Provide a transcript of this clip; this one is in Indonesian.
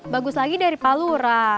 bagus lagi dari palura